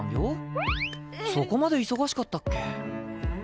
そこまで忙しかったっけ？